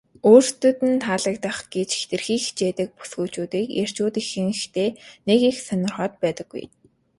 өөрсдөд нь таалагдах гэж хэтэрхий хичээдэг бүсгүйчүүдийг эрчүүд ихэнхдээ нэг их сонирхоод байдаггүй.